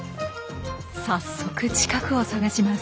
早速近くを探します。